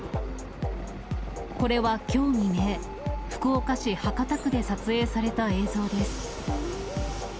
これはきょう未明、福岡市博多区で撮影された映像です。